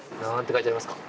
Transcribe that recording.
書いてありますか？